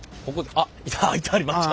ああいてはりました。